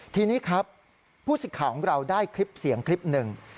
ทีนี้ครับผู้สิทธิ์ข่าวของเราได้คลิปเสียงคลิปหนึ่ง